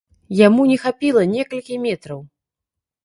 Яму не хапіла некалькі метраў.